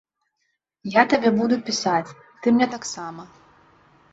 Я табе буду пісаць, ты мне таксама.